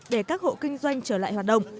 để các hộ kinh doanh trở lại hoạt động